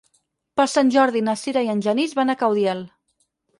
Per Sant Jordi na Sira i en Genís van a Caudiel.